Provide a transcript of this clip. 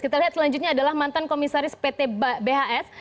kita lihat selanjutnya adalah mantan komisaris pt bhs